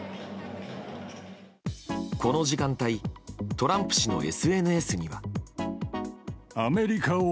この時間帯トランプ氏のＳＮＳには。